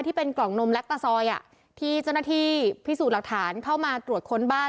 ที่เป็นกล่องนมแล็กตาซอยที่เจ้าหน้าที่พิสูจน์หลักฐานเข้ามาตรวจค้นบ้าน